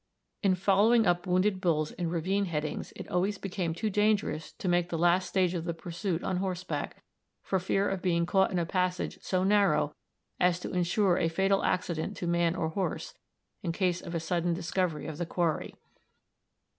In following up wounded bulls in ravine headings it always became too dangerous to make the last stage of the pursuit on horseback, for fear of being caught in a passage so narrow as to insure a fatal accident to man or horse in case of a sudden discovery of the quarry.